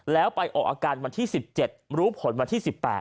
แล้วไปออกอาการวันที่๑๗รู้ผลวันที่๑๘